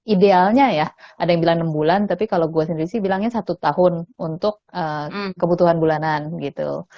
idealnya ya ada yang bilang enam bulan tapi kalau gue sendiri sih bilangnya satu tahun untuk kebutuhan bulanan gitu